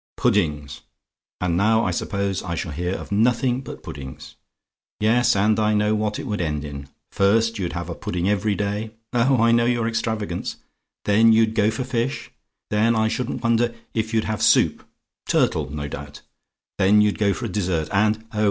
"Puddings! And now I suppose I shall hear of nothing but puddings! Yes, and I know what it would end in. First, you'd have a pudding every day oh, I know your extravagance then you'd go for fish, then I shouldn't wonder if you'd have soup; turtle, no doubt: then you'd go for a dessert; and oh!